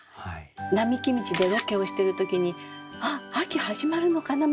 並木道でロケをしてる時に秋始まるのかな